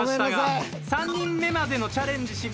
３人目までのチャレンジ